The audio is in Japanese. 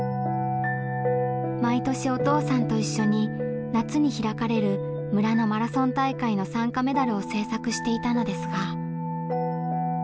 毎年お父さんと一緒に夏に開かれる村のマラソン大会の参加メダルを制作していたのですが。